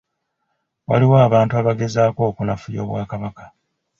Waliwo abantu abagezaako okunafuya Obwakabaka.